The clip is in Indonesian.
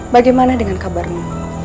bagaimana dengan kabarnya